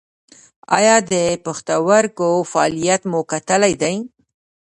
ایا د پښتورګو فعالیت مو کتلی دی؟